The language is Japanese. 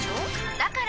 だから！